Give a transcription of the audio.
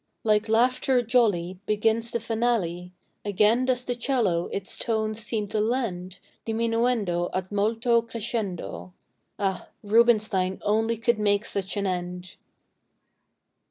Like laughter jolly Begins the finale; Again does the 'cello its tones seem to lend Diminuendo ad molto crescendo. Ah! Rubinstein only could make such an end!